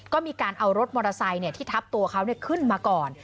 ก็มีการเอารถมอเตอร์ไซค์ที่ทับตัวเขาขึ้นมาก่อน